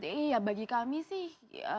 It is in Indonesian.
iya bagi kami sih